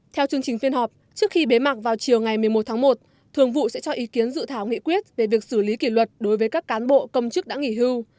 theo chương trình phiên họp trước khi bế mạc vào chiều ngày một mươi một tháng một thường vụ sẽ cho ý kiến dự thảo nghị quyết về việc xử lý kỷ luật đối với các cán bộ công chức đã nghỉ hưu